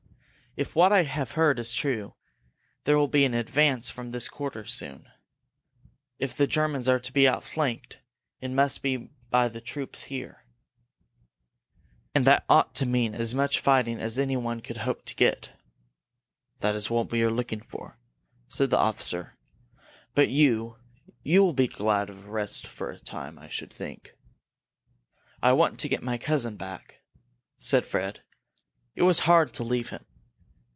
"If what I have heard is true, there will be an advance from this quarter soon," said Fred. "If the Germans are to be outflanked, it must be by the troops here. And that ought to mean as much fighting as anyone could hope to get." "That is what we are looking for," said the officer. "But you you will be glad of a rest for a time, I should think!" "I want to get my cousin back," said Fred. "It was hard to leave him."